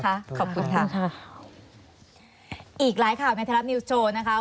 ขอบคุณค่ะขอบคุณค่ะอีกหลายข่าวในทะเลาะนิวส์โชว์นะคะ